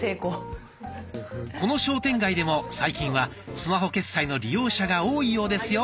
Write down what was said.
この商店街でも最近はスマホ決済の利用者が多いようですよ。